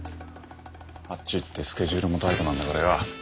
あっち行ってスケジュールもタイトなんだからよ。